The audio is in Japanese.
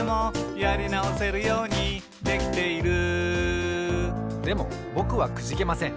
「やりなおせるようにできている」でもぼくはくじけません。